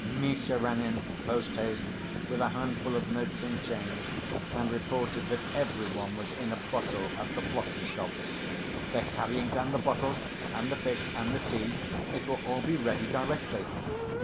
Misha ran in, post‐haste, with a handful of notes in change, and reported that every one was in a bustle at the Plotnikovs'; "They're carrying down the bottles, and the fish, and the tea; it will all be ready directly."